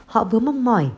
họ vừa mong mỏi